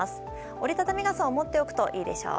折り畳み傘を持っておくといいでしょう。